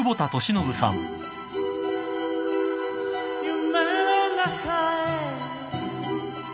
「夢の中へ」